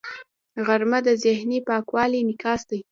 غرمه د ذهني پاکوالي انعکاس دی